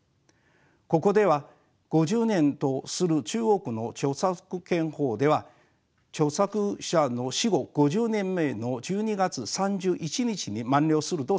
ここでは５０年とする中国の著作権法では著作者の死後５０年目の１２月３１日に満了すると定めています。